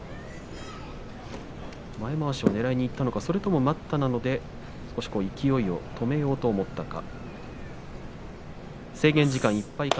前まわしをねらいにいったのかそれとも待ったなので少し勢いを止めようと思ったか。